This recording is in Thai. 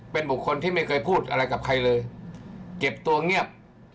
เป็นบุคคลที่ไม่เคยพูดอะไรกับใครเลยเก็บตัวเงียบ